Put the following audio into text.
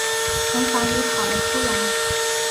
从房里跑了出来